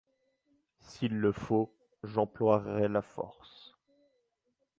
S’il le faut, j’emploierai la force.